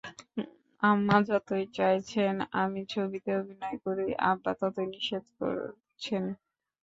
আম্মা যতই চাইছেন আমি ছবিতে অভিনয় করি, আব্বা ততই নিষেধ করছেন।